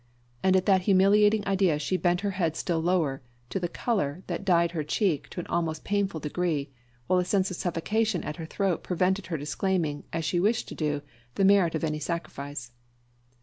and at that humiliating idea she bent her head still lower to the colour that dyed her cheek to an almost painful degree, while a sense of suffocation at her throat prevented her disclaiming, as she wished to do, the merit of any sacrifice.